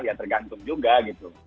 ya tergantung juga gitu